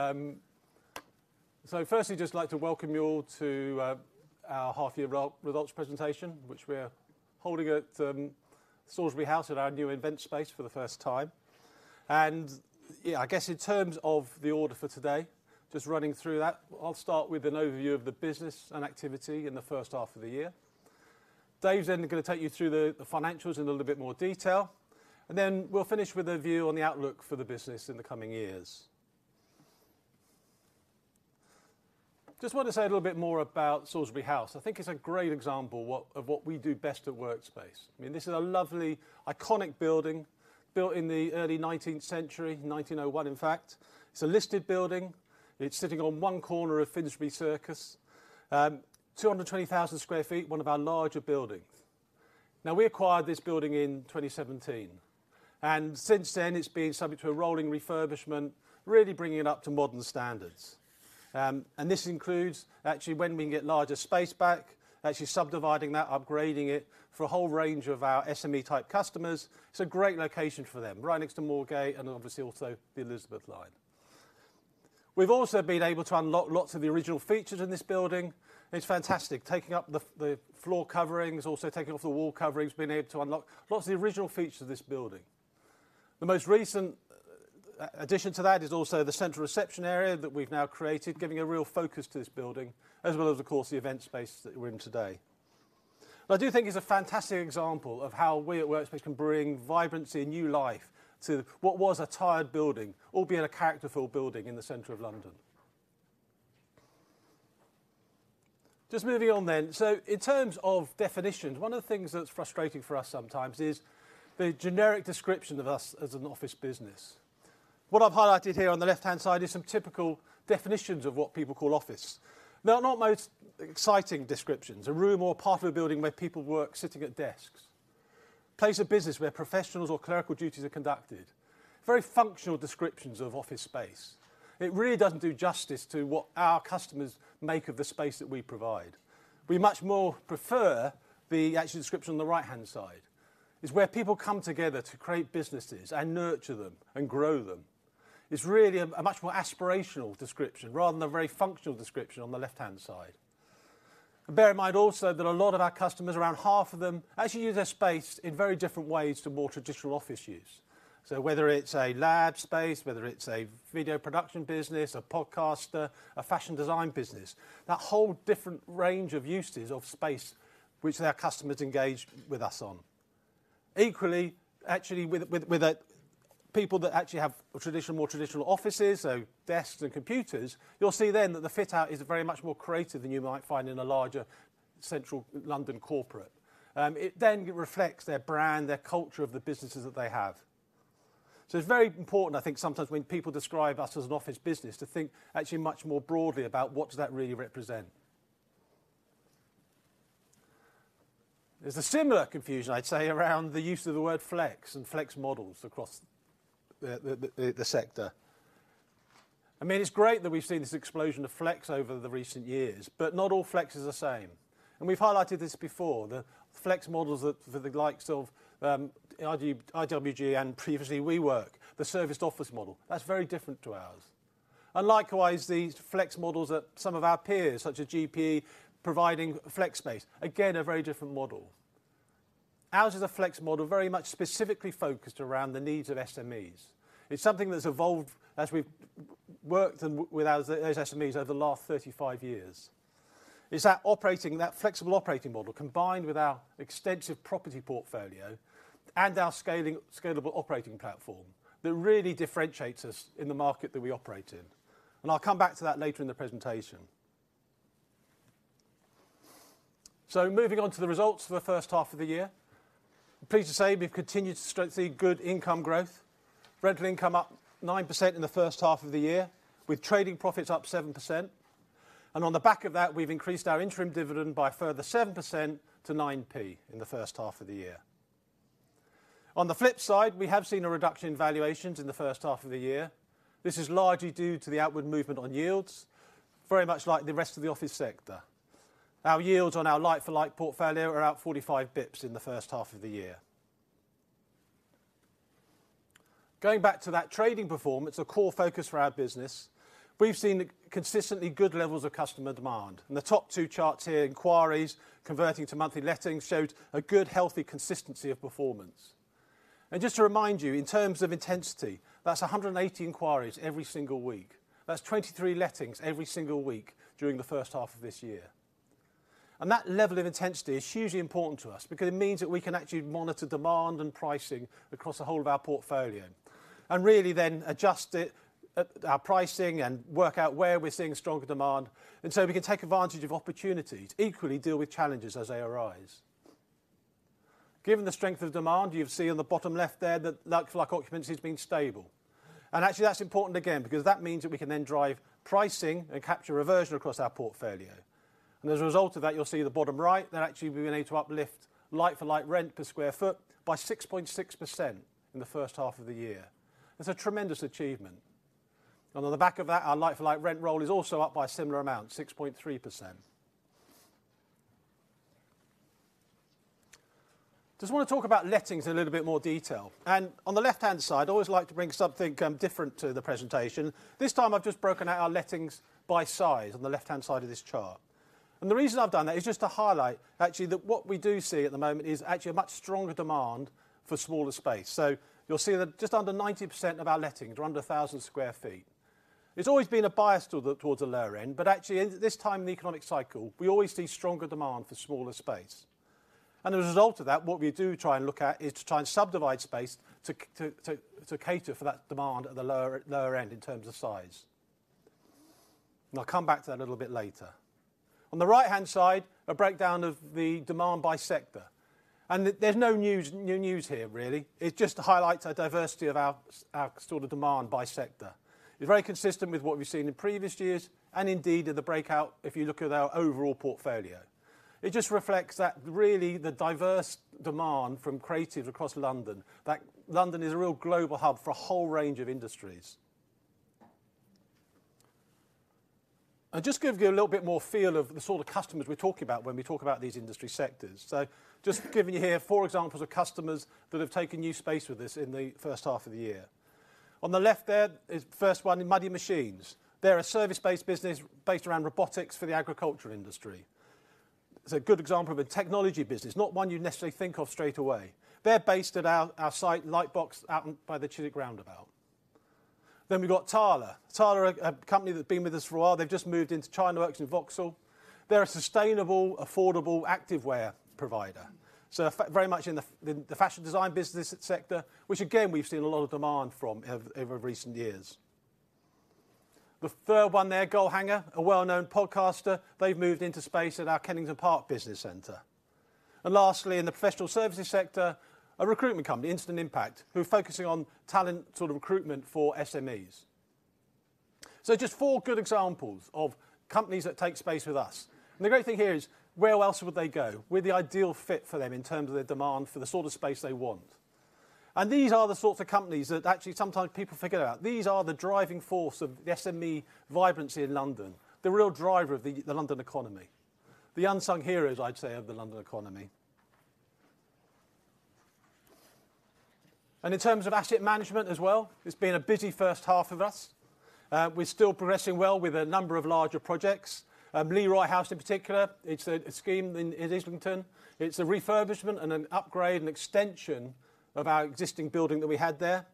Now, so firstly, just like to welcome you all to our half-year results presentation, which we are holding at Salisbury House at our new event space for the first time. Yeah, I guess in terms of the order for today, just running through that, I'll start with an overview of the business and activity in the first half of the year. Dave's then gonna take you through the financials in a little bit more detail, and then we'll finish with a view on the outlook for the business in the coming years. Just want to say a little bit more about Salisbury House. I think it's a great example of what we do best at Workspace. I mean, this is a lovely, iconic building built in the early nineteenth century, 1901, in fact. It's a listed building. It's sitting on one corner of Finsbury Circus. Two hundred twenty thousand sq ft, one of our larger buildings. Now, we acquired this building in 2017, and since then, it's been subject to a rolling refurbishment, really bringing it up to modern standards. This includes actually, when we can get larger space back, actually subdividing that, upgrading it for a whole range of our SME-type customers. It's a great location for them, right next to Moorgate and obviously also the Elizabeth line. We've also been able to unlock lots of the original features in this building, and it's fantastic. Taking up the floor coverings, also taking off the wall coverings, being able to unlock lots of the original features of this building. The most recent addition to that is also the central reception area that we've now created, giving a real focus to this building, as well as, of course, the event space that we're in today. But I do think it's a fantastic example of how we at Workspace can bring vibrancy and new life to what was a tired building, albeit a character-filled building in the center of London. Just moving on then. So in terms of definitions, one of the things that's frustrating for us sometimes is the generic description of us as an office business. What I've highlighted here on the left-hand side is some typical definitions of what people call office. They are not most exciting descriptions: a room or part of a building where people work, sitting at desks. Place of business where professionals or clerical duties are conducted. Very functional descriptions of office space. It really doesn't do justice to what our customers make of the space that we provide. We much more prefer the actual description on the right-hand side. It's where people come together to create businesses and nurture them and grow them. It's really a much more aspirational description rather than a very functional description on the left-hand side. Bear in mind also that a lot of our customers, around half of them, actually use their space in very different ways to more traditional office use. Whether it's a lab space, whether it's a video production business, a podcaster, a fashion design business, that whole different range of uses of space which our customers engage with us on. Equally, actually, with people that actually have traditional, more traditional offices, so desks and computers, you'll see then that the fit-out is very much more creative than you might find in a larger central London corporate. It then reflects their brand, their culture of the businesses that they have. So it's very important, I think, sometimes when people describe us as an office business, to think actually much more broadly about what does that really represent. There's a similar confusion, I'd say, around the use of the word flex and flex models across the sector. I mean, it's great that we've seen this explosion of flex over the recent years, but not all flex is the same. We've highlighted this before, the flex models that the likes of IWG and previously WeWork, the serviced office model, that's very different to ours. Likewise, the flex models that some of our peers, such as GPE, providing flex space, again, a very different model. Ours is a flex model very much specifically focused around the needs of SMEs. It's something that's evolved as we've worked with those SMEs over the last 35 years. It's that flexible operating model, combined with our extensive property portfolio and our scalable operating platform, that really differentiates us in the market that we operate in, and I'll come back to that later in the presentation. Moving on to the results for the first half of the year. I'm pleased to say we've continued to see good income growth. Rental income up 9% in the first half of the year, with trading profits up 7%, and on the back of that, we've increased our interim dividend by a further 7% to 9p in the first half of the year. On the flip side, we have seen a reduction in valuations in the first half of the year. This is largely due to the outward movement on yields, very much like the rest of the office sector. Our yields on our like-for-like portfolio are out 45 bps in the first half of the year. Going back to that trading performance, a core focus for our business, we've seen consistently good levels of customer demand. And the top two charts here, inquiries converting to monthly lettings, showed a good, healthy consistency of performance. Just to remind you, in terms of intensity, that's 180 inquiries every single week. That's 23 lettings every single week during the first half of this year. That level of intensity is hugely important to us because it means that we can actually monitor demand and pricing across the whole of our portfolio and really then adjust it, our pricing and work out where we're seeing stronger demand, and so we can take advantage of opportunities, equally deal with challenges as they arise. Given the strength of demand, you'll see on the bottom left there, that like-for-like occupancy has been stable. Actually, that's important again, because that means that we can then drive pricing and capture reversion across our portfolio. And as a result of that, you'll see in the bottom right that actually we were able to uplift like-for-like rent per sq ft by 6.6% in the first half of the year. That's a tremendous achievement. And on the back of that, our like-for-like rent roll is also up by a similar amount, 6.3%. Just want to talk about lettings in a little bit more detail. And on the left-hand side, I always like to bring something, different to the presentation. This time I've just broken out our lettings by size on the left-hand side of this chart. And the reason I've done that is just to highlight actually that what we do see at the moment is actually a much stronger demand for smaller space. So you'll see that just under 90% of our lettings are under 1,000 sq ft. There's always been a bias towards the lower end, but actually at this time in the economic cycle, we always see stronger demand for smaller space. And as a result of that, what we do try and look at is to try and subdivide space to cater for that demand at the lower, lower end in terms of size. And I'll come back to that a little bit later. On the right-hand side, a breakdown of the demand by sector. And there, there's no new news here, really. It just highlights the diversity of our sort of demand by sector. It's very consistent with what we've seen in previous years and indeed in the breakout, if you look at our overall portfolio. It just reflects that really the diverse demand from creatives across London, that London is a real global hub for a whole range of industries. I'll just give you a little bit more feel of the sort of customers we're talking about when we talk about these industry sectors. So just giving you here four examples of customers that have taken new space with us in the first half of the year. On the left there is the first one, Muddy Machines. They're a service-based business based around robotics for the agriculture industry. It's a good example of a technology business, not one you'd necessarily think of straight away. They're based at our, our site, Light Box, out by the Chiswick Roundabout. Then we've got TALA. TALA are a, a company that's been with us for a while. They've just moved into China Works in Vauxhall. They're a sustainable, affordable activewear provider, so very much in the fashion design business sector, which again, we've seen a lot of demand from over recent years. The third one there, Goalhanger, a well-known podcaster. They've moved into space at ourKennington Park Business Centre. And lastly, in the professional services sector, a recruitment company, Instant Impact, who are focusing on talent sort of recruitment for SMEs. So just four good examples of companies that take space with us. And the great thing here is, where else would they go? We're the ideal fit for them in terms of their demand for the sort of space they want. And these are the sorts of companies that actually sometimes people forget about. These are the driving force of the SME vibrancy in London, the real driver of the London economy. The unsung heroes, I'd say, of the London economy. And in terms of asset management as well, it's been a busy first half of us. We're still progressing well with a number of larger projects. Leroy House in particular, it's a scheme in Islington. It's a refurbishment and an upgrade and extension of our existing building that we had there.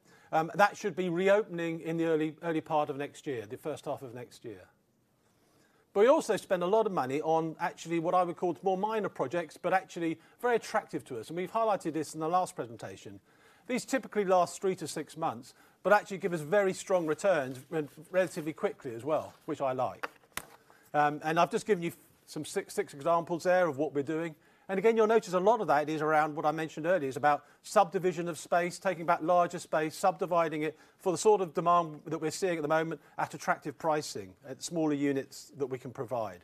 That should be reopening in the early, early part of next year, the first half of next year. But we also spent a lot of money on actually what I would call more minor projects, but actually very attractive to us, and we've highlighted this in the last presentation. These typically last three to six months, but actually give us very strong returns relatively quickly as well, which I like. I've just given you some 6, 6 examples there of what we're doing. Again, you'll notice a lot of that is around what I mentioned earlier, is about subdivision of space, taking back larger space, subdividing it for the sort of demand that we're seeing at the moment at attractive pricing, at smaller units that we can provide.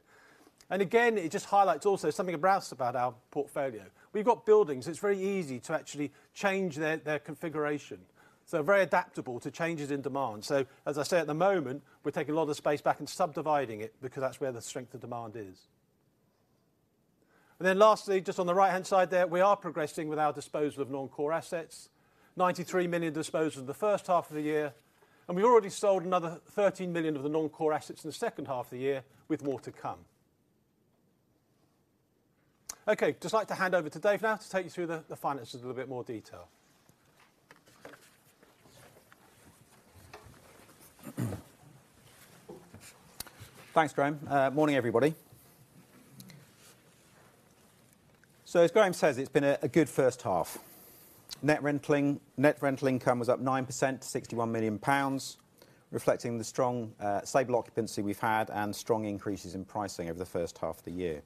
Again, it just highlights also something about our portfolio. We've got buildings, it's very easy to actually change their, their configuration, so very adaptable to changes in demand. So as I say, at the moment, we're taking a lot of the space back and subdividing it because that's where the strength of demand is. Then lastly, just on the right-hand side there, we are progressing with our disposal of non-core assets. 93 million disposed of in the first half of the year, and we already sold another 13 million of the non-core assets in the second half of the year, with more to come. Okay, just like to hand over to Dave now to take you through the finances in a little bit more detail. Thanks, Graham. Morning, everybody. So as Graham says, it's been a good first half. Net rental income was up 9% to 61 million pounds, reflecting the strong, stable occupancy we've had and strong increases in pricing over the first half of the year.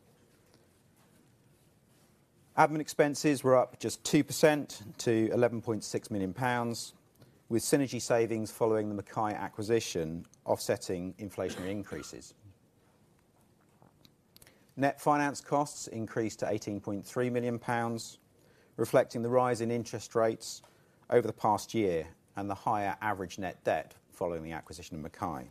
Admin expenses were up just 2% to 11.6 million pounds, with synergy savings following the McKay acquisition, offsetting inflationary increases. Net finance costs increased to 18.3 million pounds, reflecting the rise in interest rates over the past year and the higher average net debt following the acquisition of McKay.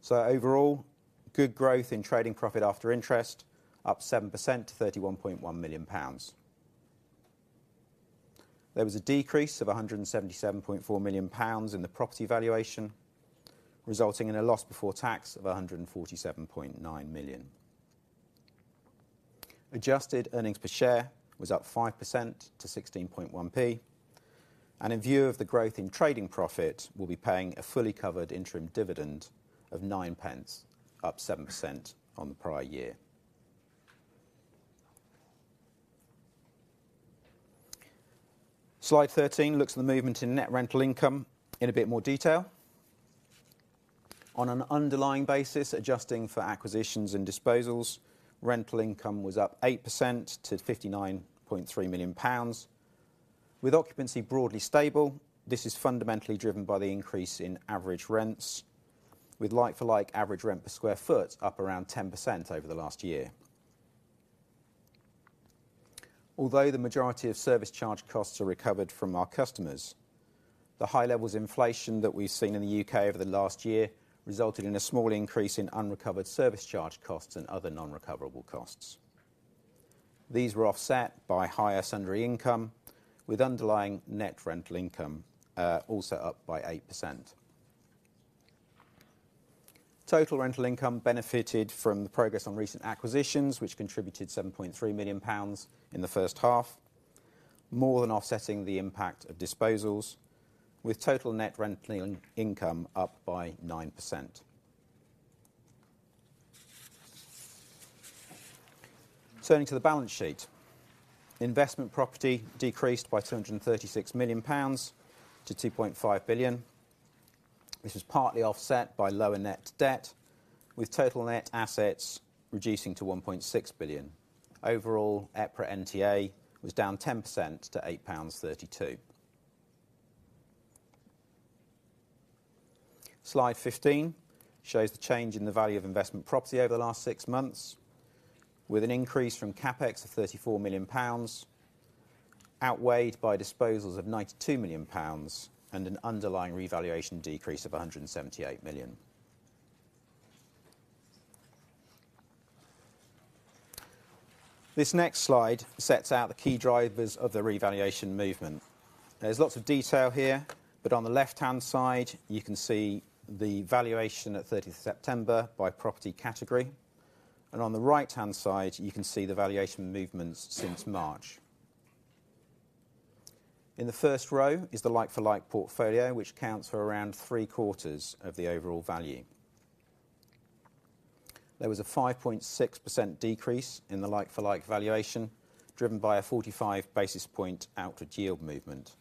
So overall, good growth in trading profit after interest, up 7% to 31.1 million pounds. There was a decrease of 177.4 million pounds in the property valuation, resulting in a loss before tax of 147.9 million. Adjusted earnings per share was up 5% to 16.1p, and in view of the growth in trading profit, we'll be paying a fully covered interim dividend of 9p, up 7% on the prior year. Slide 13 looks at the movement in net rental income in a bit more detail. On an underlying basis, adjusting for acquisitions and disposals, rental income was up 8% to 59.3 million pounds. With occupancy broadly stable, this is fundamentally driven by the increase in average rents, with like-for-like average rent per sq ft up around 10% over the last year. Although the majority of service charge costs are recovered from our customers-... The high levels of inflation that we've seen in the UK over the last year resulted in a small increase in unrecovered service charge costs and other non-recoverable costs. These were offset by higher sundry income, with underlying net rental income also up by 8%. Total rental income benefited from the progress on recent acquisitions, which contributed 7.3 million pounds in the first half, more than offsetting the impact of disposals, with total net rent clean income up by 9%. Turning to the balance sheet, investment property decreased by 236 million pounds to 2.5 billion. This was partly offset by lower net debt, with total net assets reducing to 1.6 billion. Overall, EPRA NTA was down 10% to 8.32 pounds. Slide fifteen shows the change in the value of investment property over the last six months, with an increase from CapEx of 34 million pounds, outweighed by disposals of 92 million pounds, and an underlying revaluation decrease of 178 million. This next slide sets out the key drivers of the revaluation movement. There's lots of detail here, but on the left-hand side, you can see the valuation at thirtieth September by property category, and on the right-hand side, you can see the valuation movements since March. In the first row is the like-for-like portfolio, which accounts for around three quarters of the overall value. There was a 5.6% decrease in the like-for-like valuation, driven by a 45 basis point outward yield movement,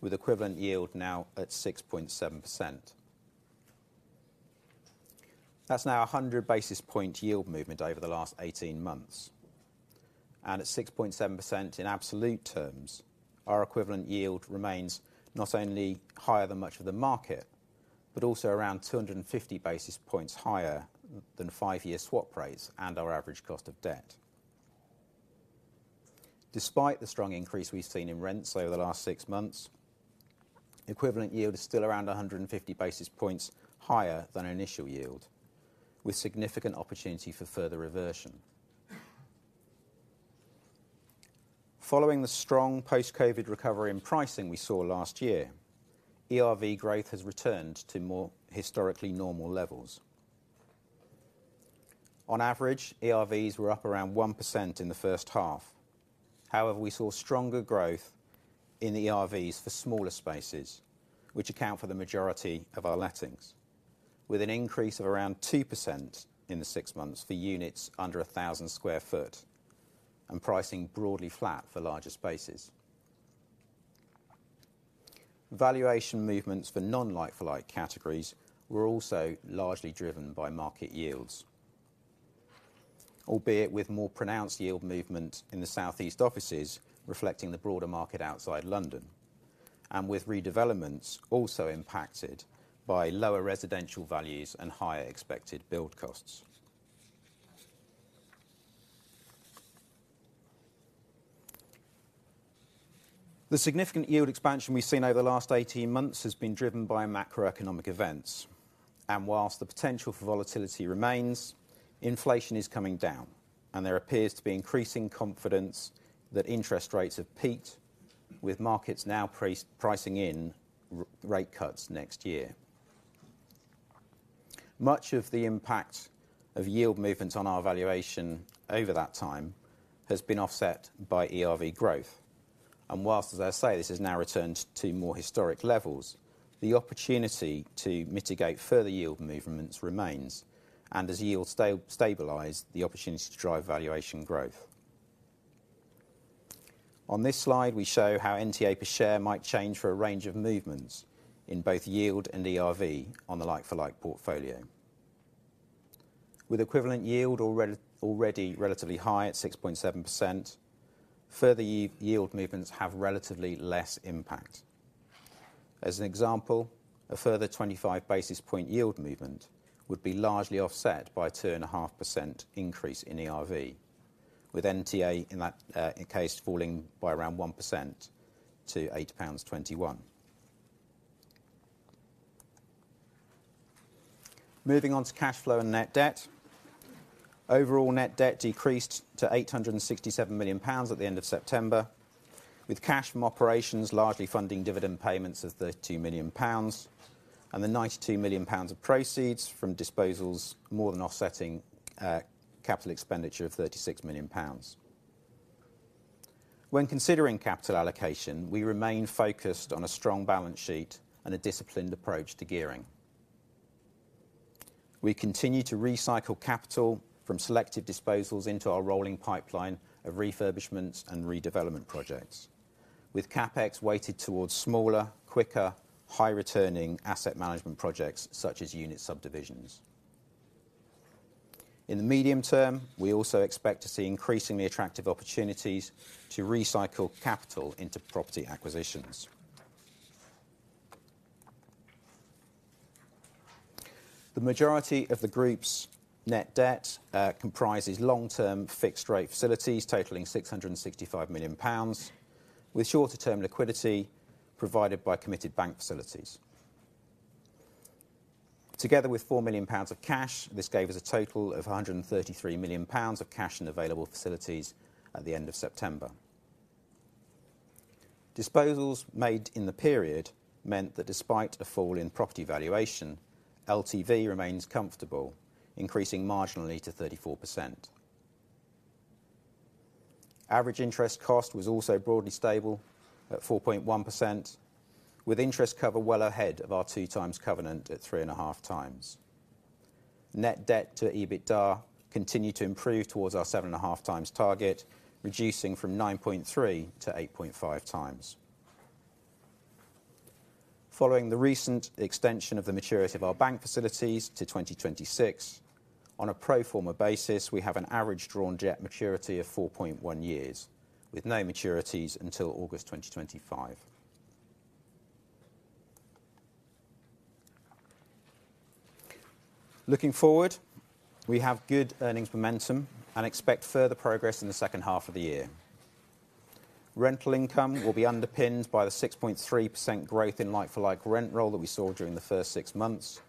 with equivalent yield now at 6.7%. That's now 100 basis points yield movement over the last 18 months, and at 6.7% in absolute terms, our equivalent yield remains not only higher than much of the market, but also around 250 basis points higher than five-year swap rates and our average cost of debt. Despite the strong increase we've seen in rents over the last 6 months, equivalent yield is still around 150 basis points higher than initial yield, with significant opportunity for further reversion. Following the strong post-COVID recovery in pricing we saw last year, ERV growth has returned to more historically normal levels. On average, ERVs were up around 1% in the first half. However, we saw stronger growth in ERVs for smaller spaces, which account for the majority of our lettings, with an increase of around 2% in the six months for units under 1,000 sq ft, and pricing broadly flat for larger spaces. Valuation movements for non-like-for-like categories were also largely driven by market yields, albeit with more pronounced yield movement in the Southeast offices, reflecting the broader market outside London, and with redevelopments also impacted by lower residential values and higher expected build costs. The significant yield expansion we've seen over the last 18 months has been driven by macroeconomic events, and while the potential for volatility remains, inflation is coming down, and there appears to be increasing confidence that interest rates have peaked, with markets now pricing in rate cuts next year. Much of the impact of yield movements on our valuation over that time has been offset by ERV growth. Whilst, as I say, this has now returned to more historic levels, the opportunity to mitigate further yield movements remains, and as yields stabilize, the opportunity to drive valuation growth. On this slide, we show how NTA per share might change for a range of movements in both yield and ERV on the like-for-like portfolio. With equivalent yield already relatively high at 6.7%, further yield movements have relatively less impact. As an example, a further 25 basis point yield movement would be largely offset by 2.5% increase in ERV, with NTA in that case falling by around 1% to 8.21 pounds. Moving on to cash flow and net debt. Overall net debt decreased to 867 million pounds at the end of September, with cash from operations largely funding dividend payments of 32 million pounds, and the 92 million pounds of proceeds from disposals more than offsetting capital expenditure of 36 million pounds. When considering capital allocation, we remain focused on a strong balance sheet and a disciplined approach to gearing. We continue to recycle capital from selective disposals into our rolling pipeline of refurbishments and redevelopment projects. With CapEx weighted towards smaller, quicker, high-returning asset management projects, such as unit subdivisions. In the medium term, we also expect to see increasingly attractive opportunities to recycle capital into property acquisitions. The majority of the group's net debt comprises long-term fixed rate facilities totaling 665 million pounds, with shorter term liquidity provided by committed bank facilities. Together with 4 million pounds of cash, this gave us a total of 133 million pounds of cash and available facilities at the end of September. Disposals made in the period meant that despite a fall in property valuation, LTV remains comfortable, increasing marginally to 34%. Average interest cost was also broadly stable at 4.1%, with interest cover well ahead of our 2x covenant at 3.5x. Net debt to EBITDA continued to improve towards our 7.5x target, reducing from 9.3 to 8.5x. Following the recent extension of the maturity of our bank facilities to 2026, on a pro forma basis, we have an average drawn debt maturity of 4.1 years, with no maturities until August 2025. Looking forward, we have good earnings momentum and expect further progress in the second half of the year. Rental income will be underpinned by the 6.3% growth in like-for-like rent roll that we saw during the first six months,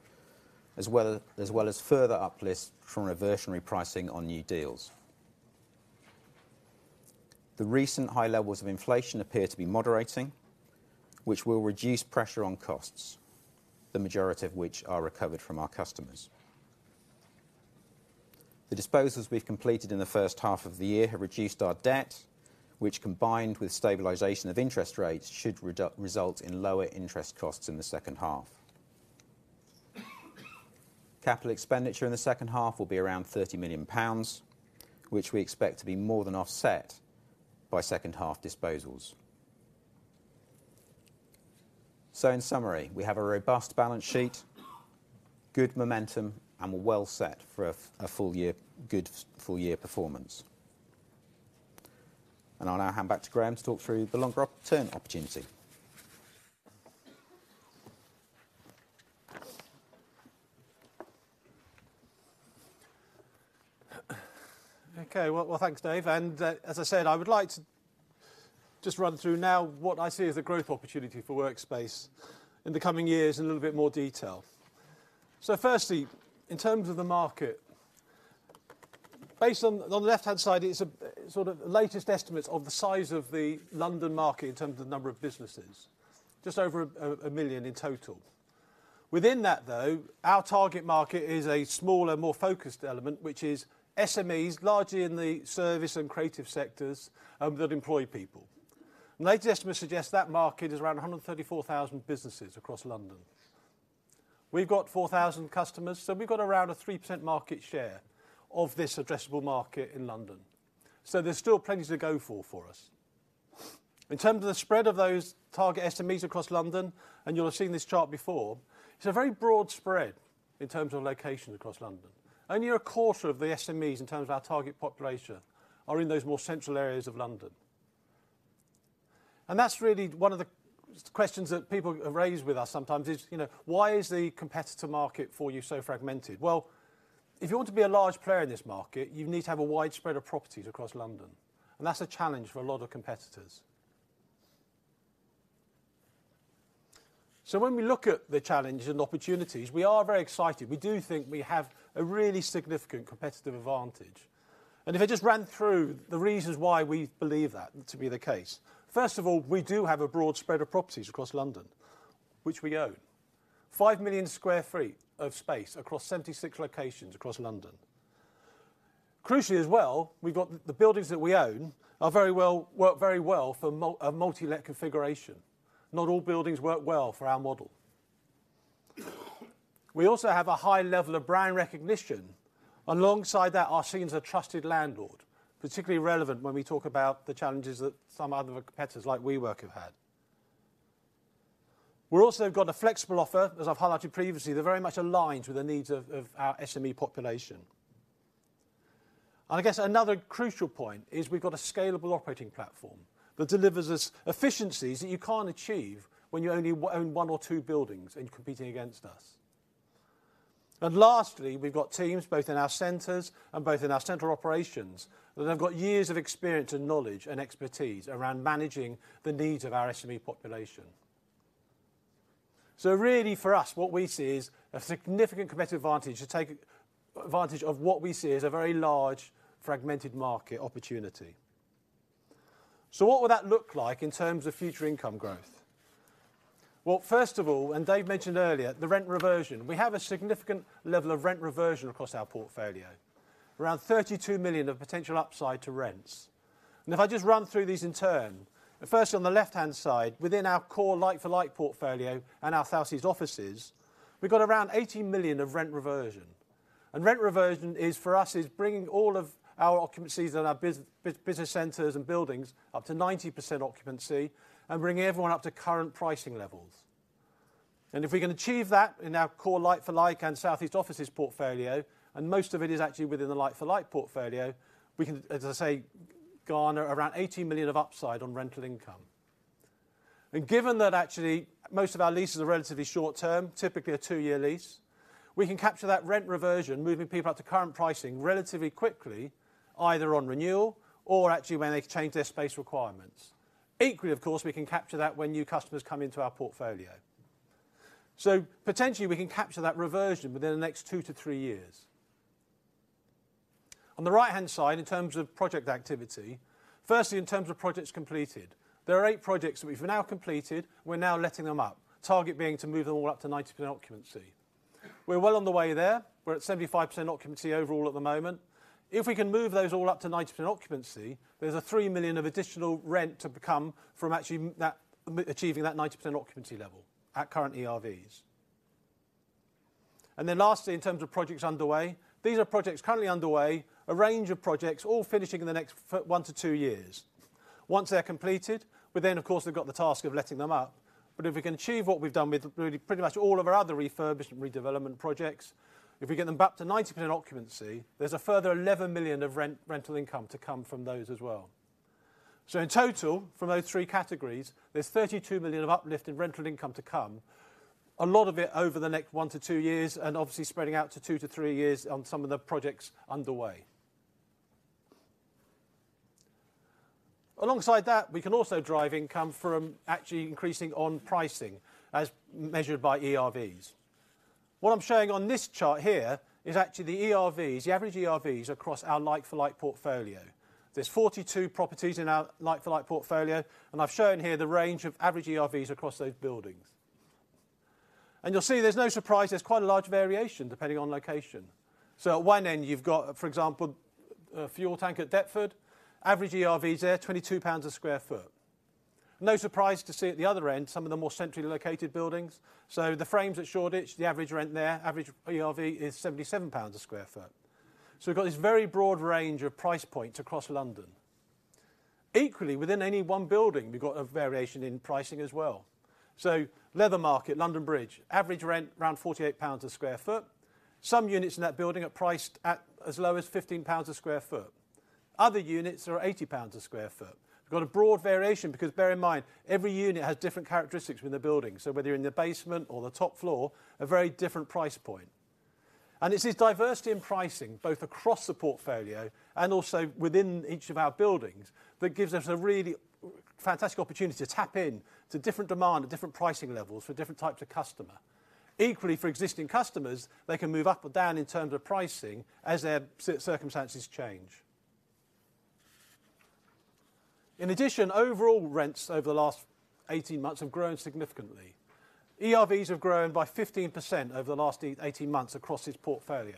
as well as further uplift from reversionary pricing on new deals. The recent high levels of inflation appear to be moderating, which will reduce pressure on costs, the majority of which are recovered from our customers. The disposals we've completed in the first half of the year have reduced our debt, which, combined with stabilization of interest rates, should result in lower interest costs in the second half. Capital expenditure in the second half will be around 30 million pounds, which we expect to be more than offset by second half disposals. So in summary, we have a robust balance sheet, good momentum, and we're well set for a full year good full year performance. And I'll now hand back to Graham to talk through the longer term opportunity. Okay, well, thanks, Dave. And as I said, I would like to just run through now what I see as the growth opportunity for Workspace in the coming years in a little bit more detail. So firstly, in terms of the market, based on the left-hand side is sort of latest estimates of the size of the London market in terms of the number of businesses, just over 1 million in total. Within that, though, our target market is a smaller, more focused element, which is SMEs, largely in the service and creative sectors, that employ people. And latest estimates suggest that market is around 134,000 businesses across London. We've got 4,000 customers, so we've got around a 3% market share of this addressable market in London. So there's still plenty to go for, for us. In terms of the spread of those target SMEs across London, and you'll have seen this chart before, it's a very broad spread in terms of locations across London. Only a quarter of the SMEs, in terms of our target population, are in those more central areas of London. And that's really one of the questions that people have raised with us sometimes is, you know, "Why is the competitor market for you so fragmented?" Well, if you want to be a large player in this market, you need to have a wide spread of properties across London, and that's a challenge for a lot of competitors. So when we look at the challenges and opportunities, we are very excited. We do think we have a really significant competitive advantage. And if I just ran through the reasons why we believe that to be the case. First of all, we do have a broad spread of properties across London, which we own. 5 million sq ft of space across 76 locations across London. Crucially as well, we've got the buildings that we own work very well for a multi-let configuration. Not all buildings work well for our model. We also have a high level of brand recognition. Alongside that, are seen as a trusted landlord, particularly relevant when we talk about the challenges that some other competitors, like WeWork, have had. We've also got a flexible offer, as I've highlighted previously, that very much aligns with the needs of our SME population. And I guess another crucial point is we've got a scalable operating platform that delivers us efficiencies that you can't achieve when you only own one or two buildings in competing against us. And lastly, we've got teams, both in our centers and both in our center operations, that have got years of experience and knowledge and expertise around managing the needs of our SME population. So really, for us, what we see is a significant competitive advantage to take advantage of what we see as a very large, fragmented market opportunity. So what would that look like in terms of future income growth? Well, first of all, and Dave mentioned earlier, the rent reversion. We have a significant level of rent reversion across our portfolio, around 32 million of potential upside to rents. And if I just run through these in turn, the first on the left-hand side, within our core like-for-like portfolio and our southeast offices, we've got around 80 million of rent reversion. Rent reversion is, for us, bringing all of our occupancies and our business centers and buildings up to 90% occupancy and bringing everyone up to current pricing levels. And if we can achieve that in our core like-for-like and southeast offices portfolio, and most of it is actually within the like-for-like portfolio, we can, as I say, garner around 80 million of upside on rental income. And given that actually most of our leases are relatively short term, typically a two year lease, we can capture that rent reversion, moving people up to current pricing relatively quickly, either on renewal or actually when they change their space requirements. Equally, of course, we can capture that when new customers come into our portfolio. So potentially, we can capture that reversion within the next two to three years. On the right-hand side, in terms of project activity, firstly, in terms of projects completed, there are 8 projects that we've now completed, we're now letting them out. Target being to move them all up to 90% occupancy. We're well on the way there. We're at 75% occupancy overall at the moment. If we can move those all up to 90% occupancy, there's 3 million of additional rent to become from actually that, achieving that 90% occupancy level at current ERVs. And then lastly, in terms of projects underway, these are projects currently underway, a range of projects, all finishing in the next one to two years. Once they're completed, we then, of course, have got the task of letting them out. But if we can achieve what we've done with really pretty much all of our other refurbished and redevelopment projects, if we get them back to 90% occupancy, there's a further 11 million of rent, rental income to come from those as well. So in total, from those three categories, there's 32 million of uplift in rental income to come, a lot of it over the next one to two years, and obviously spreading out to two to three years on some of the projects underway. Alongside that, we can also drive income from actually increasing on pricing, as measured by ERVs. What I'm showing on this chart here is actually the ERVs, the average ERVs across our like-for-like portfolio. There's 42 properties in our like-for-like portfolio, and I've shown here the range of average ERVs across those buildings. You'll see there's no surprise, there's quite a large variation depending on location. So at one end, you've got, for example, Fuel Tank at Deptford. Average ERV there, 22 pounds a sq ft. No surprise to see at the other end, some of the more centrally located buildings. So The Frames at Shoreditch, the average rent there, average ERV is 77 pounds a sq ft. So we've got this very broad range of price points across London. Equally, within any one building, we've got a variation in pricing as well. So Leathermarket, London Bridge, average rent around 48 pounds a sq ft. Some units in that building are priced at as low as 15 pounds a sq ft. Other units are 80 pounds a sq ft. We've got a broad variation, because bear in mind, every unit has different characteristics with the building. So whether you're in the basement or the top floor, a very different price point. And it is this diversity in pricing, both across the portfolio and also within each of our buildings, that gives us a really fantastic opportunity to tap in to different demand at different pricing levels for different types of customer. Equally, for existing customers, they can move up or down in terms of pricing as their circumstances change. In addition, overall rents over the last 18 months have grown significantly. ERVs have grown by 15% over the last 18 months across this portfolio.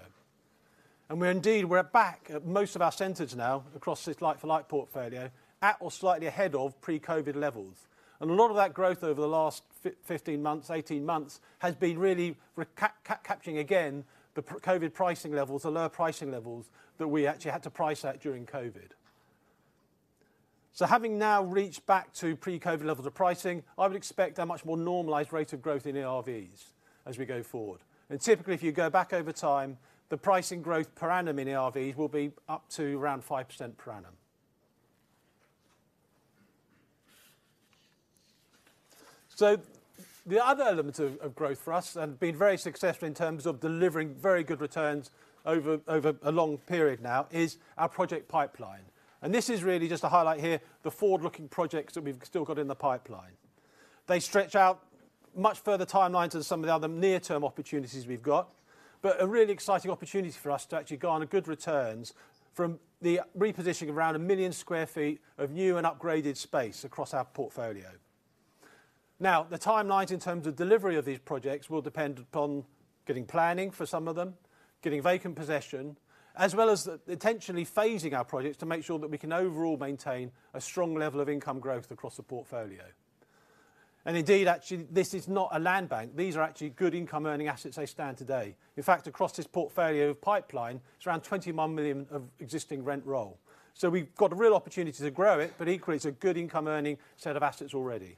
And we're indeed, we're back at most of our centers now, across this like-for-like portfolio, at or slightly ahead of pre-COVID levels. A lot of that growth over the last 15 months, 18 months, has been really recapturing again, the pre-COVID pricing levels, the lower pricing levels that we actually had to price at during COVID. So having now reached back to pre-COVID levels of pricing, I would expect a much more normalized rate of growth in ERVs as we go forward. And typically, if you go back over time, the pricing growth per annum in ERVs will be up to around 5% per annum. So the other element of, of growth for us, and been very successful in terms of delivering very good returns over, over a long period now, is our project pipeline. And this is really just to highlight here, the forward-looking projects that we've still got in the pipeline. They stretch out much further timeline to some of the other near-term opportunities we've got, but a really exciting opportunity for us to actually garner good returns from the repositioning of around 1 million sq ft of new and upgraded space across our portfolio. Now, the timelines in terms of delivery of these projects will depend upon getting planning for some of them, getting vacant possession, as well as intentionally phasing our projects to make sure that we can overall maintain a strong level of income growth across the portfolio. Indeed, actually, this is not a land bank. These are actually good income-earning assets they stand today. In fact, across this portfolio of pipeline, it's around 21 million of existing rent roll. So we've got a real opportunity to grow it, but equally, it's a good income-earning set of assets already.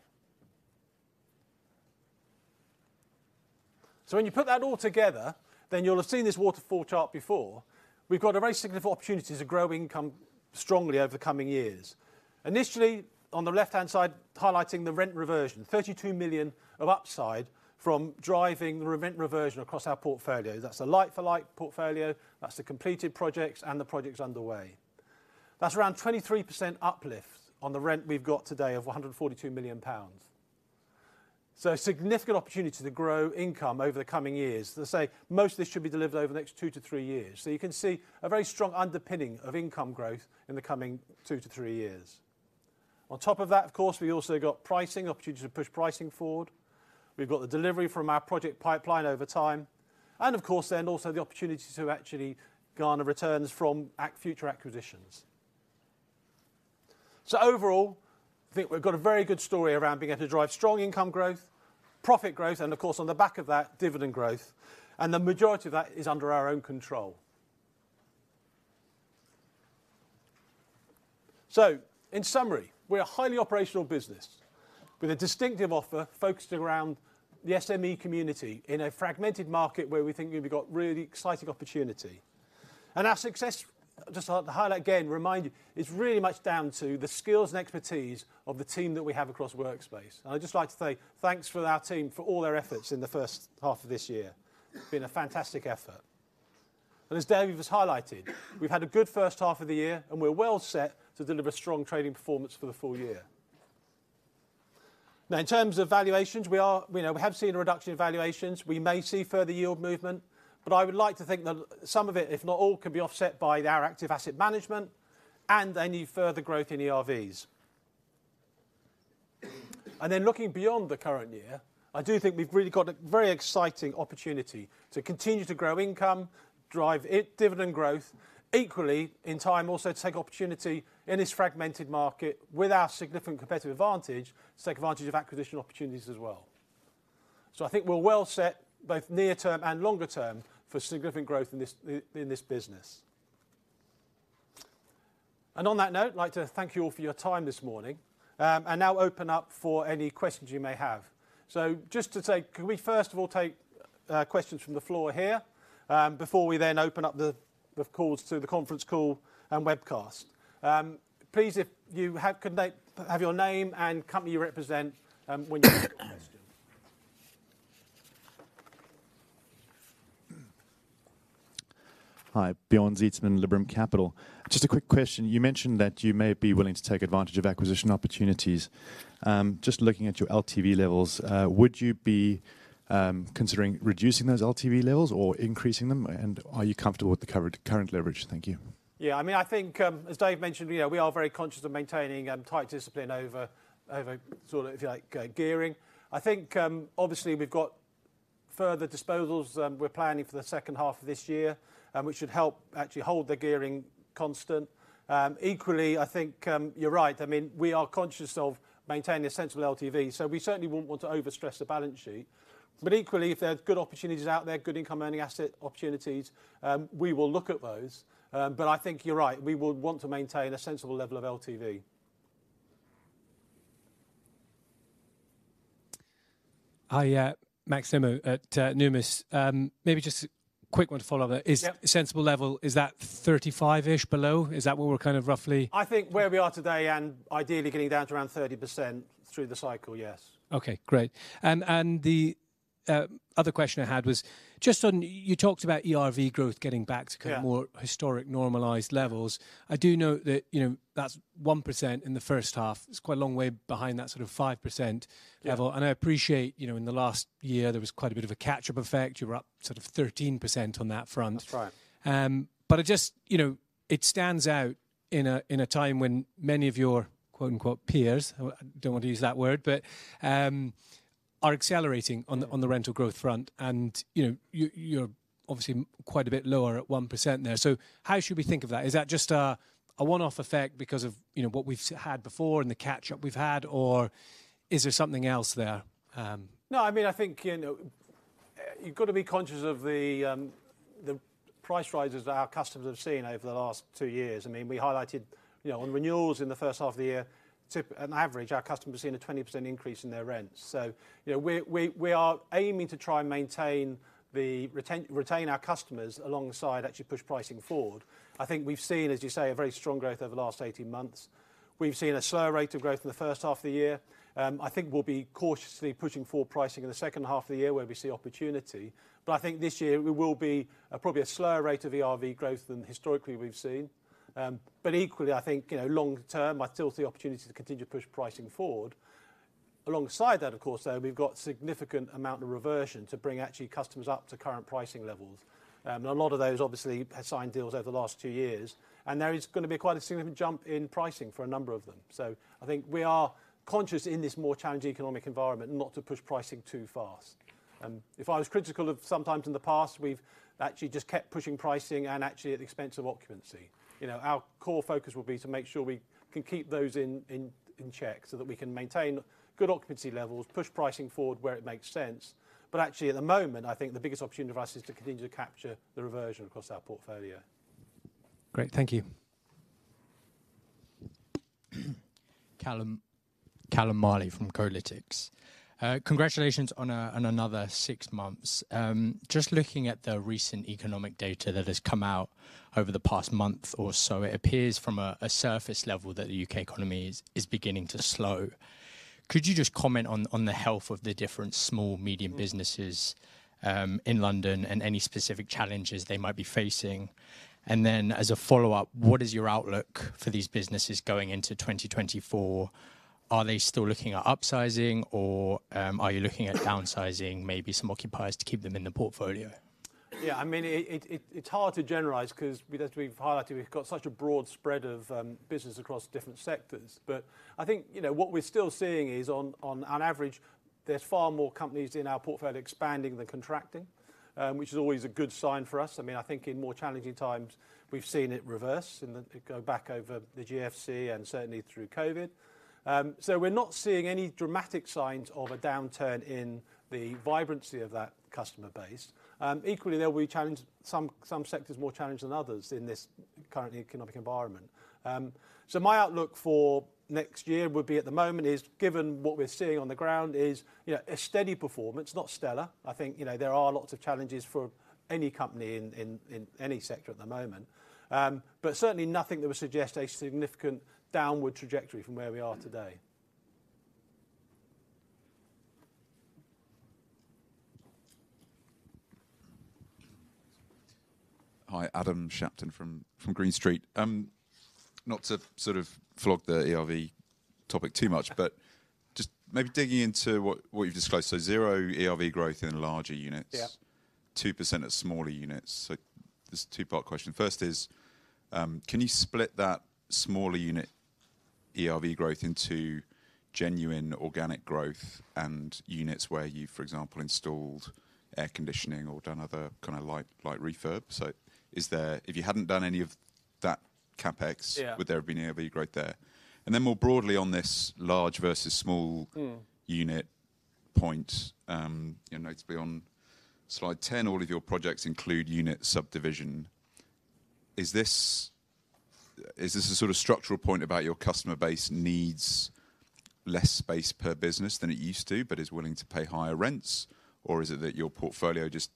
So when you put that all together, then you'll have seen this waterfall chart before. We've got a very significant opportunity to grow income strongly over the coming years. Initially, on the left-hand side, highlighting the rent reversion, 32 million of upside from driving the rent reversion across our portfolio. That's a like-for-like portfolio, that's the completed projects and the projects underway. That's around 23% uplift on the rent we've got today of 142 million pounds. So a significant opportunity to grow income over the coming years. Let's say, most of this should be delivered over the next two to three years. So you can see a very strong underpinning of income growth in the coming two to three years. On top of that, of course, we also got pricing, opportunity to push pricing forward. We've got the delivery from our project pipeline over time, and of course, then also the opportunity to actually garner returns from future acquisitions. So overall, I think we've got a very good story around being able to drive strong income growth, profit growth, and of course, on the back of that, dividend growth, and the majority of that is under our own control. So in summary, we're a highly operational business with a distinctive offer focused around the SME community in a fragmented market where we think we've got really exciting opportunity... Our success, just to highlight again, remind you, is really much down to the skills and expertise of the team that we have across Workspace. And I'd just like to say, thanks to our team for all their efforts in the first half of this year. It's been a fantastic effort. As David has highlighted, we've had a good first half of the year, and we're well set to deliver strong trading performance for the full year. Now, in terms of valuations, we are, you know, we have seen a reduction in valuations. We may see further yield movement, but I would like to think that some of it, if not all, can be offset by our active asset management and any further growth in ERVs. Then looking beyond the current year, I do think we've really got a very exciting opportunity to continue to grow income, drive it, dividend growth, equally, in time, also take opportunity in this fragmented market with our significant competitive advantage, take advantage of acquisition opportunities as well. I think we're well set, both near term and longer term, for significant growth in this business. On that note, I'd like to thank you all for your time this morning, and now open up for any questions you may have. Just to say, can we first of all take questions from the floor here, before we then open up the calls to the conference call and webcast? Please state your name and company you represent when you ask a question. Hi, Bjorn Zietsman, Liberum Capital. Just a quick question: You mentioned that you may be willing to take advantage of acquisition opportunities. Just looking at your LTV levels, would you be considering reducing those LTV levels or increasing them, and are you comfortable with the current, current leverage? Thank you. Yeah, I mean, I think, as Dave mentioned, you know, we are very conscious of maintaining tight discipline over sort of, if you like, gearing. I think, obviously, we've got further disposals we're planning for the second half of this year, and which should help actually hold the gearing constant. Equally, I think, you're right. I mean, we are conscious of maintaining a sensible LTV, so we certainly wouldn't want to overstress the balance sheet. But equally, if there are good opportunities out there, good income-earning asset opportunities, we will look at those. But I think you're right. We would want to maintain a sensible level of LTV. Hi, Max Shearwood at Numis. Maybe just a quick one to follow that. Yep. Is sensible level, is that 35-ish below? Is that where we're kind of roughly- I think where we are today and ideally getting down to around 30% through the cycle, yes. Okay, great. The other question I had was just on... You talked about ERV growth getting back- Yeah... to kind of more historic, normalized levels. I do know that, you know, that's 1% in the first half. It's quite a long way behind that sort of 5%- Yeah... level. I appreciate, you know, in the last year, there was quite a bit of a catch-up effect. You were up sort of 13% on that front. That's right. But it just, you know, it stands out in a time when many of your, quote-unquote, "peers," I don't want to use that word, but are accelerating on the rental growth front, and, you know, you're obviously quite a bit lower at 1% there. So how should we think of that? Is that just a one-off effect because of, you know, what we've had before and the catch-up we've had, or is there something else there? No, I mean, I think, you know, you've got to be conscious of the price rises that our customers have seen over the last two years. I mean, we highlighted, you know, on renewals in the first half of the year, typically, on average, our customers seen a 20% increase in their rents. So, you know, we are aiming to try and maintain the retain our customers alongside actually push pricing forward. I think we've seen, as you say, a very strong growth over the last 18 months. We've seen a slower rate of growth in the first half of the year. I think we'll be cautiously pushing forward pricing in the second half of the year where we see opportunity. But I think this year, we will be probably a slower rate of ERV growth than historically we've seen. But equally, I think, you know, long term, I still see opportunity to continue to push pricing forward. Alongside that, of course, though, we've got significant amount of reversion to bring actually customers up to current pricing levels. And a lot of those obviously have signed deals over the last two years, and there is gonna be quite a significant jump in pricing for a number of them. So I think we are conscious in this more challenging economic environment not to push pricing too fast. If I was critical of sometimes in the past, we've actually just kept pushing pricing and actually at the expense of occupancy. You know, our core focus will be to make sure we can keep those in check so that we can maintain good occupancy levels, push pricing forward where it makes sense. Actually, at the moment, I think the biggest opportunity for us is to continue to capture the reversion across our portfolio. Great. Thank you. Callum, Callum Marley from Colliers. Congratulations on another six months. Just looking at the recent economic data that has come out over the past month or so, it appears from a surface level that the U.K. economy is beginning to slow. Could you just comment on the health of the different small, medium businesses in London and any specific challenges they might be facing? And then, as a follow-up, what is your outlook for these businesses going into 2024? Are they still looking at upsizing, or are you looking at downsizing, maybe some occupiers to keep them in the portfolio? Yeah, I mean, it's hard to generalize 'cause as we've highlighted, we've got such a broad spread of business across different sectors. But I think, you know, what we're still seeing is on average, there's far more companies in our portfolio expanding than contracting, which is always a good sign for us. I mean, I think in more challenging times, we've seen it reverse, and then you go back over the GFC and certainly through COVID. So we're not seeing any dramatic signs of a downturn in the vibrancy of that customer base. Equally, there will be challenge, some sectors more challenged than others in this current economic environment. So my outlook for next year would be, at the moment, is, given what we're seeing on the ground, is, you know, a steady performance, not stellar. I think, you know, there are lots of challenges for any company in any sector at the moment. But certainly nothing that would suggest a significant downward trajectory from where we are today.... Hi, Adam Shapton from Green Street. Not to sort of flog the ERV topic too much, but just maybe digging into what you've disclosed. So zero ERV growth in larger units- Yep. -2% of smaller units. So this is a two-part question. First is, can you split that smaller unit ERV growth into genuine organic growth and units where you, for example, installed air conditioning or done other kind of light refurb? So is there— If you hadn't done any of that CapEx- Yeah Would there have been ERV growth there? And then more broadly, on this large versus small- Mm. Unit point, you know, to be on slide 10, all of your projects include unit subdivision. Is this, is this a sort of structural point about your customer base needs less space per business than it used to, but is willing to pay higher rents? Or is it that your portfolio just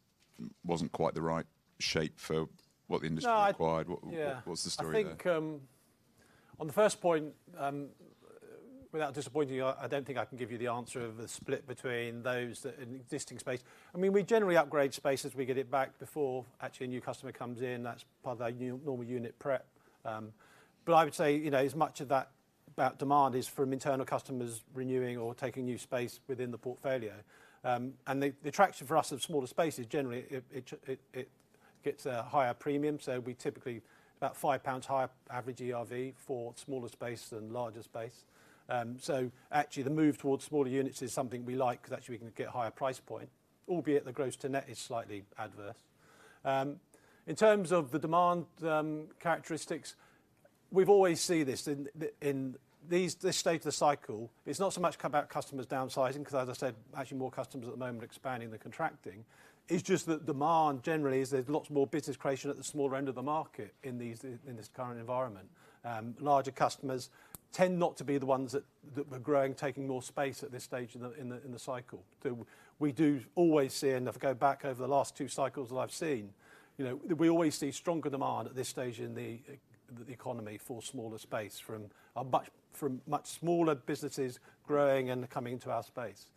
wasn't quite the right shape for what the industry required? No, I- What's the story there? I think, on the first point, without disappointing you, I don't think I can give you the answer of the split between those that... In existing space. I mean, we generally upgrade space as we get it back before actually a new customer comes in. That's part of our new normal unit prep. But I would say, you know, as much of that demand is from internal customers renewing or taking new space within the portfolio. And the attraction for us of smaller spaces, generally, it gets a higher premium. So it'll be typically about 5 pounds higher average ERV for smaller space than larger space. So actually, the move towards smaller units is something we like, because actually we can get a higher price point, albeit the gross to net is slightly adverse. In terms of the demand characteristics, we've always see this. In this state of the cycle, it's not so much about customers downsizing, because as I said, actually more customers at the moment expanding than contracting. It's just that demand generally is there's lots more business creation at the smaller end of the market in this current environment. Larger customers tend not to be the ones that were growing, taking more space at this stage in the cycle. So we do always see, and if I go back over the last two cycles that I've seen, you know, we always see stronger demand at this stage in the economy for smaller space, from much smaller businesses growing and coming into our space.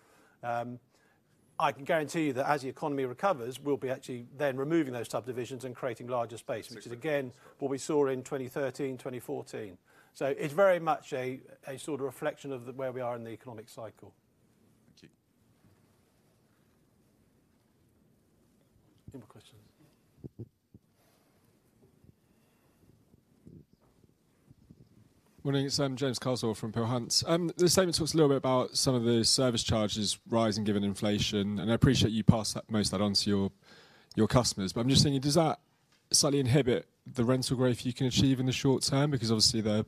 I can guarantee you that as the economy recovers, we'll be actually then removing those subdivisions and creating larger space, which is again, what we saw in 2013, 2014. So it's very much a sort of reflection of the where we are in the economic cycle. Thank you. Any more questions? Morning, it's James Carswell from Peel Hunt. The statement talks a little bit about some of the service charges rising given inflation, and I appreciate you pass that, most of that on to your, your customers. But I'm just saying, does that slightly inhibit the rental growth you can achieve in the short term? Because obviously, the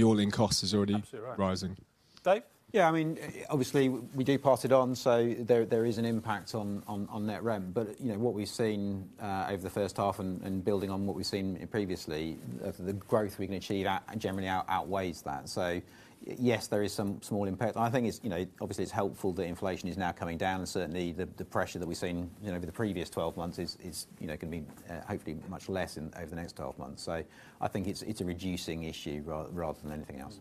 all-in cost is already- Absolutely right -rising. Dave? Yeah, I mean, obviously, we do pass it on, so there is an impact on net rent. But, you know, what we've seen over the first half and building on what we've seen previously, the growth we can achieve generally outweighs that. So yes, there is some small impact. And I think it's, you know, obviously, it's helpful that inflation is now coming down, and certainly the pressure that we've seen, you know, over the previous twelve months is, you know, going to be hopefully much less over the next twelve months. So I think it's a reducing issue rather than anything else.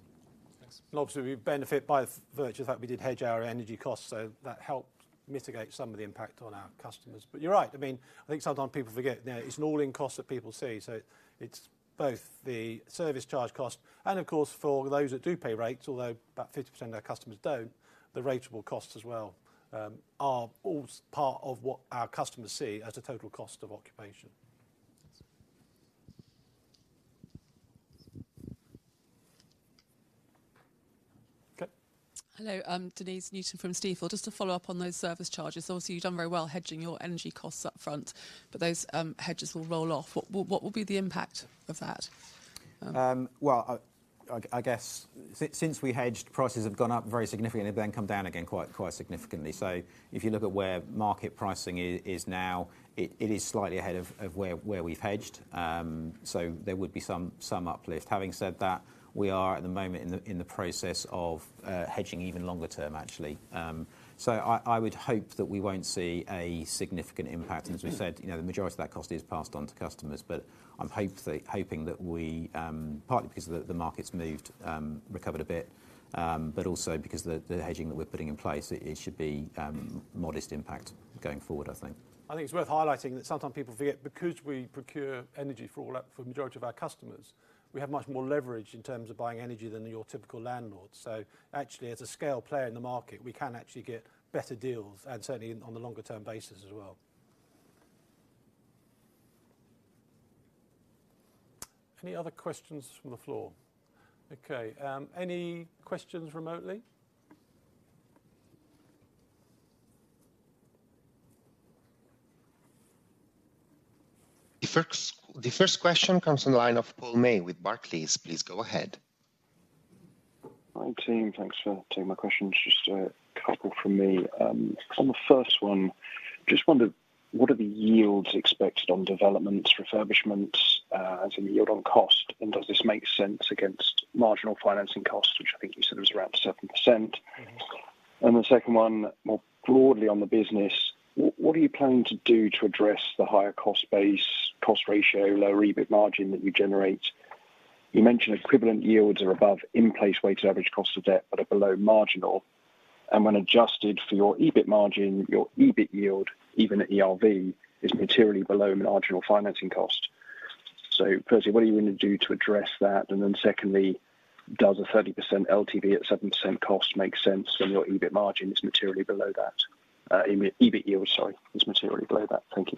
Mm. Thanks. Obviously, we benefit by virtue of that, we did hedge our energy costs, so that helped mitigate some of the impact on our customers. But you're right. I mean, I think sometimes people forget, you know, it's an all-in cost that people see. So it's both the service charge cost and, of course, for those that do pay rates, although about 50% of our customers don't, the rateable costs as well are all part of what our customers see as a total cost of occupation. Okay. Hello, Denise Newton from Stifel. Just to follow up on those service charges. Obviously, you've done very well hedging your energy costs up front, but those hedges will roll off. What will be the impact of that? Well, I guess since we hedged, prices have gone up very significantly, then come down again, quite significantly. So if you look at where market pricing is now, it is slightly ahead of where we've hedged. So there would be some uplift. Having said that, we are, at the moment, in the process of hedging even longer term, actually. So I would hope that we won't see a significant impact. As we said, you know, the majority of that cost is passed on to customers, but I'm hoping that we, partly because the market's moved, recovered a bit, but also because the hedging that we're putting in place, it should be modest impact going forward, I think. I think it's worth highlighting that sometimes people forget, because we procure energy for all our, for the majority of our customers, we have much more leverage in terms of buying energy than your typical landlord. So actually, as a scale player in the market, we can actually get better deals, and certainly on the longer-term basis as well. Any other questions from the floor? Okay, any questions remotely? The first question comes from the line of Paul May with Barclays. Please go ahead. Hi, team. Thanks for taking my questions. Just a couple from me. On the first one, just wondered, what are the yields expected on developments, refurbishments, as in the yield on cost, and does this make sense against marginal financing costs, which I think you said was around 7%? Mm-hmm. The second one, more broadly on the business, what are you planning to do to address the higher cost base, cost ratio, low EBIT margin that you generate? You mentioned equivalent yields are above in-place weighted average cost of debt, but are below marginal. And when adjusted for your EBIT margin, your EBIT yield, even at ERV, is materially below marginal financing cost. So firstly, what are you going to do to address that? And then secondly, does a 30% LTV at 7% cost make sense when your EBIT margin is materially below that? EBIT yield, sorry, is materially below that. Thank you.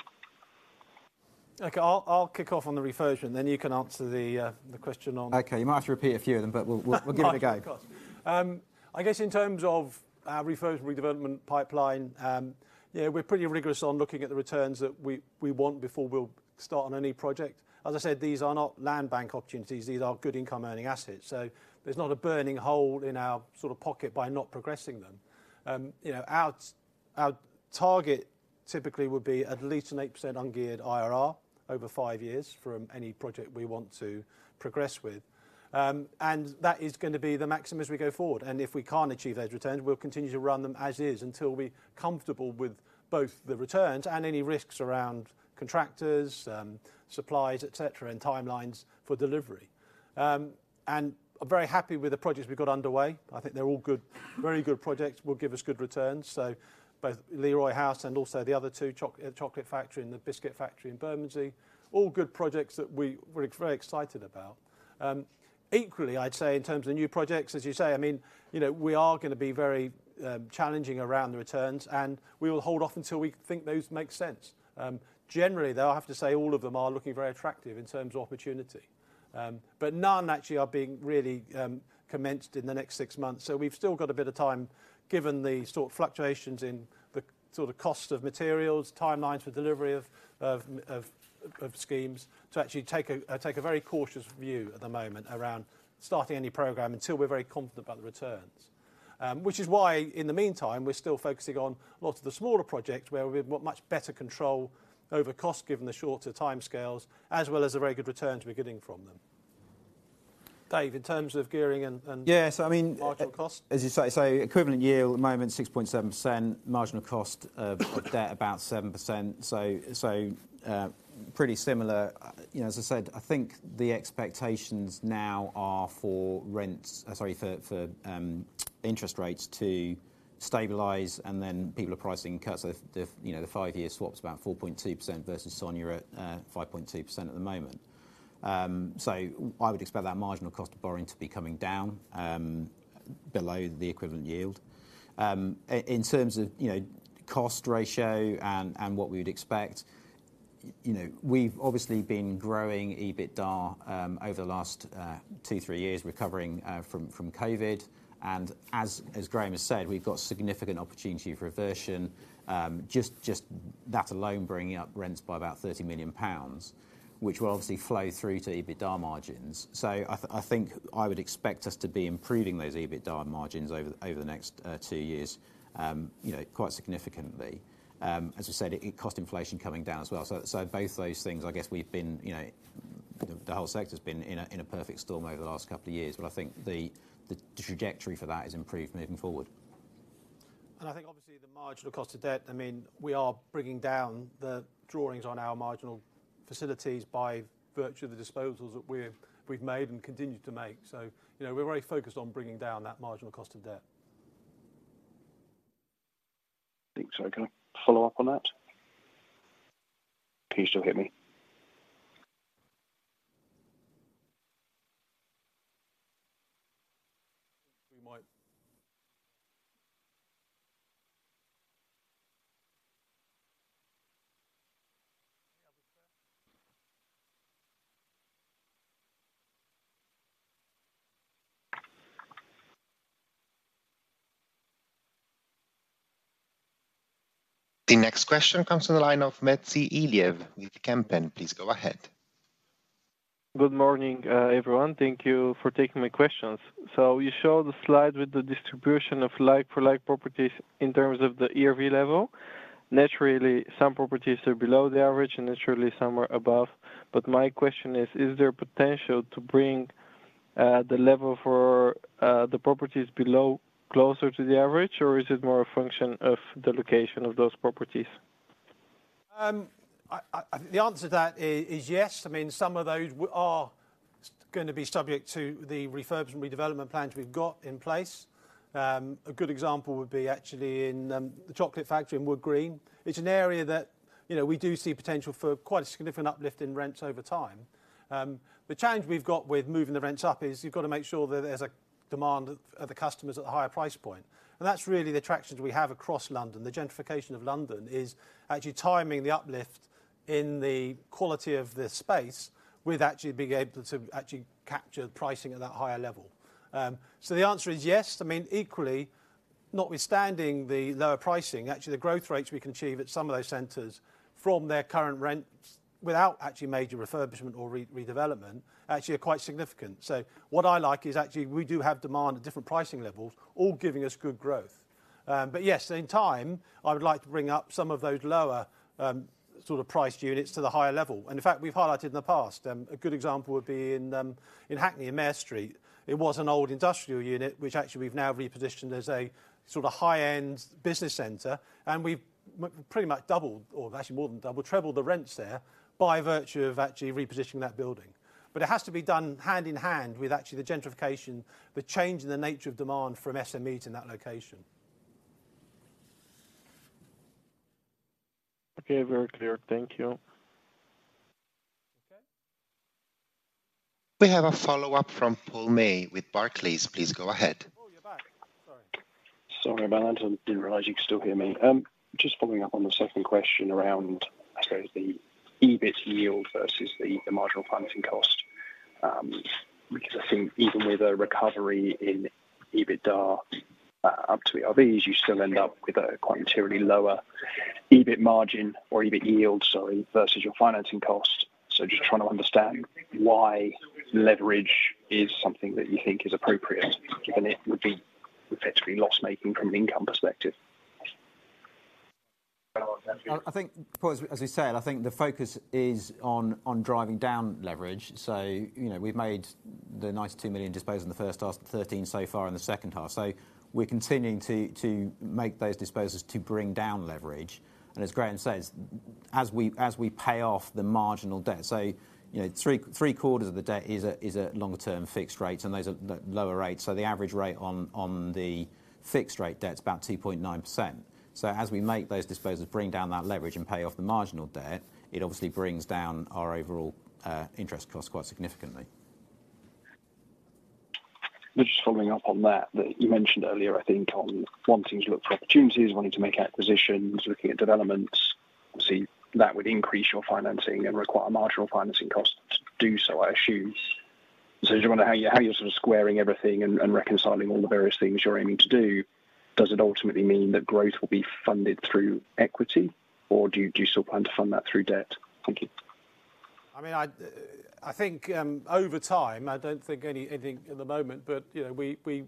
Okay, I'll kick off on the reversion, and then you can answer the question on- Okay, you might have to repeat a few of them, but we'll give it a go. Of course. I guess in terms of our refurb and redevelopment pipeline, yeah, we're pretty rigorous on looking at the returns that we want before we'll start on any project. As I said, these are not land bank opportunities, these are good income-earning assets, so there's not a burning hole in our sort of pocket by not progressing them. You know, our target typically would be at least 8% ungeared IRR over five years from any project we want to progress with. And that is gonna be the maximum as we go forward, and if we can't achieve those returns, we'll continue to run them as is until we're comfortable with both the returns and any risks around contractors, suppliers, et cetera, and timelines for delivery. And I'm very happy with the projects we've got underway. I think they're all good, very good projects, will give us good returns. So both Leroy House and also the other two, Chocolate Factory and the Biscuit Factory in Bermondsey, all good projects that we're very excited about. Equally, I'd say, in terms of the new projects, as you say, I mean, you know, we are gonna be very challenging around the returns, and we will hold off until we think those make sense. Generally, though, I have to say, all of them are looking very attractive in terms of opportunity. But none actually are being really commenced in the next six months. So we've still got a bit of time, given the sort of fluctuations in the sort of cost of materials, timelines for delivery of schemes, to actually take a very cautious view at the moment around starting any program until we're very confident about the returns. Which is why, in the meantime, we're still focusing on a lot of the smaller projects where we've much better control over cost, given the shorter timescales, as well as the very good returns we're getting from them. Dave, in terms of gearing and, and- Yes, I mean- Marginal cost... As you say, so equivalent yield at the moment, 6.7%. Marginal cost of debt, about 7%. So, pretty similar. You know, as I said, I think the expectations now are for rents, sorry, for interest rates to stabilize, and then people are pricing because of the, you know, the five-year swap's about 4.2% versus SONIA at 5.2% at the moment. So I would expect that marginal cost of borrowing to be coming down below the equivalent yield. In terms of, you know, cost ratio and what we would expect, you know, we've obviously been growing EBITDA over the last two, three years, recovering from COVID. As Graham has said, we've got significant opportunity for reversion, just that alone, bringing up rents by about 30 million pounds, which will obviously flow through to EBITDA margins. So I think I would expect us to be improving those EBITDA margins over the next two years, you know, quite significantly. As I said, it cost inflation coming down as well. So both those things, I guess we've been, you know, the whole sector's been in a perfect storm over the last couple of years, but I think the trajectory for that is improved moving forward. I think obviously the marginal cost of debt. I mean, we are bringing down the drawings on our marginal facilities by virtue of the disposals that we've made and continue to make. You know, we're very focused on bringing down that marginal cost of debt. Think so. Can I follow up on that? Can you still hear me? We might... The next question comes from the line of Ventsi Iliev with Kempen. Please go ahead. Good morning, everyone. Thank you for taking my questions. So you show the slide with the distribution of like-for-like properties in terms of the ERV level. Naturally, some properties are below the average and naturally some are above, but my question is: Is there potential to bring the level for the properties below closer to the average, or is it more a function of the location of those properties? I think the answer to that is yes. I mean, some of those are gonna be subject to the refurb and redevelopment plans we've got in place. A good example would be actually in the Chocolate Factory in Wood Green. It's an area that, you know, we do see potential for quite a significant uplift in rents over time. The challenge we've got with moving the rents up is you've got to make sure that there's a demand of the customers at the higher price point, and that's really the attractions we have across London. The gentrification of London is actually timing the uplift in the quality of the space with actually being able to actually capture the pricing at that higher level. So the answer is yes. I mean, equally, notwithstanding the lower pricing, actually, the growth rates we can achieve at some of those centers from their current rents, without actually major refurbishment or redevelopment, actually are quite significant. So what I like is, actually, we do have demand at different pricing levels, all giving us good growth. But yes, in time, I would like to bring up some of those lower, sort of priced units to the higher level. And in fact, we've highlighted in the past. A good example would be in Hackney, in Mare Street. It was an old industrial unit, which actually we've now repositioned as a sort of high-end business center, and we've pretty much doubled, or actually more than doubled, trebled the rents there by virtue of actually repositioning that building... It has to be done hand in hand with actually the gentrification, the change in the nature of demand from SMEs in that location. Okay, very clear. Thank you. Okay. We have a follow-up from Paul May with Barclays. Please go ahead. Oh, you're back. Sorry. Sorry about that. I didn't realize you could still hear me. Just following up on the second question around, I suppose, the EBIT yield versus the, the marginal financing cost. Because I think even with a recovery in EBITDA, up to ERVs, you still end up with a quite materially lower EBIT margin or EBIT yield, sorry, versus your financing cost. So just trying to understand why leverage is something that you think is appropriate, given it would be effectively loss-making from an income perspective. I think, Paul, as you said, I think the focus is on driving down leverage. So, you know, we've made the 92 million disposed in the first half, 13 million so far in the second half. So we're continuing to make those disposals to bring down leverage. And as Graham says, as we pay off the marginal debt, so, you know, three-quarters of the debt is a longer-term fixed rate, and those are the lower rates. So the average rate on the fixed rate debt is about 2.9%. So as we make those disposals, bring down that leverage and pay off the marginal debt, it obviously brings down our overall interest cost quite significantly. Just following up on that, that you mentioned earlier, I think, on wanting to look for opportunities, wanting to make acquisitions, looking at developments. Obviously, that would increase your financing and require a marginal financing cost to do so, I assume. So I just wonder how you, how you're sort of squaring everything and, and reconciling all the various things you're aiming to do. Does it ultimately mean that growth will be funded through equity, or do you, do you still plan to fund that through debt? Thank you. I mean, I think over time, I don't think anything at the moment, but, you know, we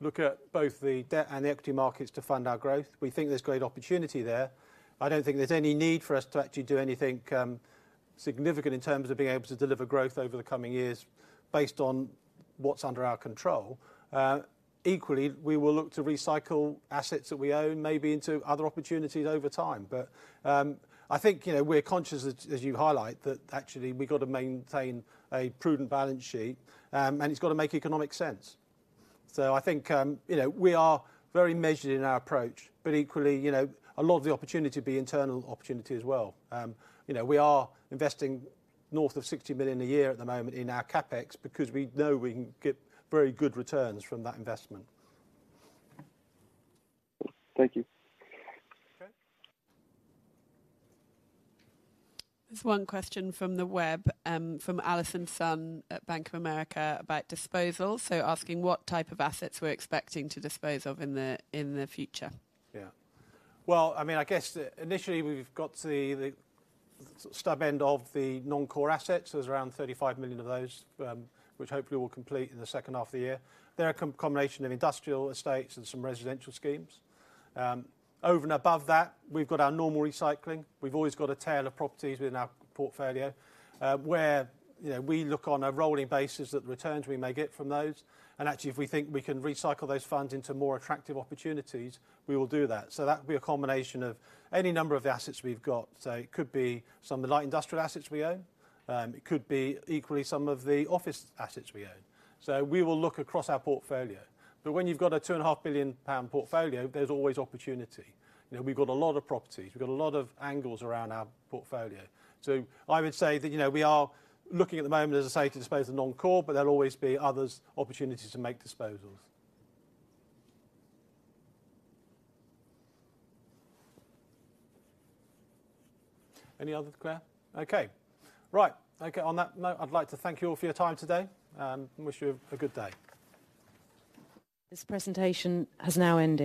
look at both the debt and the equity markets to fund our growth. We think there's great opportunity there. I don't think there's any need for us to actually do anything significant in terms of being able to deliver growth over the coming years, based on what's under our control. Equally, we will look to recycle assets that we own, maybe into other opportunities over time. But, I think, you know, we're conscious as you highlight, that actually, we've got to maintain a prudent balance sheet, and it's got to make economic sense. So I think, you know, we are very measured in our approach, but equally, you know, a lot of the opportunity will be internal opportunity as well. You know, we are investing north of 60 million a year at the moment in our CapEx because we know we can get very good returns from that investment. Thank you. Okay. There's one question from the web, from Allison Sun at Bank of America, about disposals. So asking what type of assets we're expecting to dispose of in the future? Yeah. Well, I mean, I guess, initially, we've got the stub end of the non-core assets. There's around 35 million of those, which hopefully will complete in the second half of the year. They're a combination of industrial estates and some residential schemes. Over and above that, we've got our normal recycling. We've always got a tail of properties within our portfolio, where, you know, we look on a rolling basis at the returns we may get from those, and actually, if we think we can recycle those funds into more attractive opportunities, we will do that. So that would be a combination of any number of the assets we've got. So it could be some of the light industrial assets we own. It could be equally some of the office assets we own. So we will look across our portfolio, but when you've got a 2.5 billion pound portfolio, there's always opportunity. You know, we've got a lot of properties, we've got a lot of angles around our portfolio. So I would say that, you know, we are looking at the moment, as I say, to dispose of non-core, but there'll always be other opportunities to make disposals. Any other Clare? Okay. Right. Okay, on that note, I'd like to thank you all for your time today and wish you a good day. This presentation has now ended.